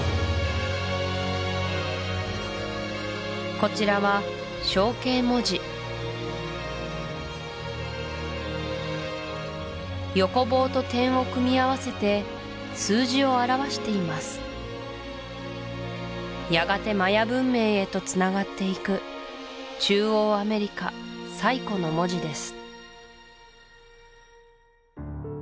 こちらは象形文字横棒と点を組み合わせて数字を表していますやがてマヤ文明へとつながっていく中央アメリカ最古の文字です